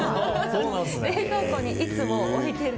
冷凍庫にいつも置いてる。